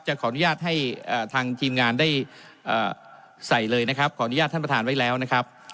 ขออนุญาตให้ทางทีมงานได้ใส่เลยนะครับขออนุญาตท่านประธานไว้แล้วนะครับ